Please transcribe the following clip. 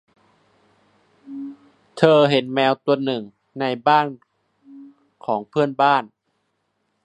เธอเห็นแมวตัวหนึ่งในบ้านของเพื่อนบ้าน